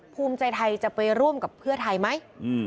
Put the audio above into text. ภูมิใจไทยจะไปร่วมกับเพื่อไทยไหม